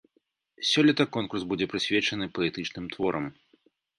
Сёлета конкурс будзе прысвечаны паэтычным творам.